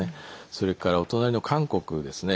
それからお隣の韓国ですね。